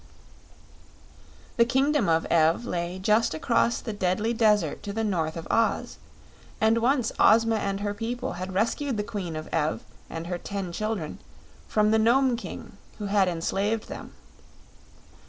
The Kingdom of Ev lay just across the Deadly Desert to the North of Oz, and once Ozma and her people had rescued the Queen of Ev and her ten children from the Nome King, who had enslaved them.